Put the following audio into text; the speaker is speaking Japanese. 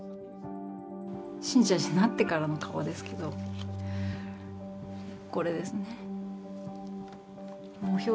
信者になってからの顔ですけれども、これですね。